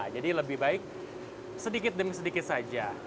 lebih baik sedikit demi sedikit saja